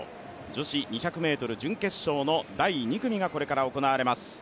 女子２００ｍ準決勝の第２組が、これから行われます。